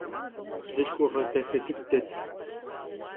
Bzılhxuğe daxe dıdet.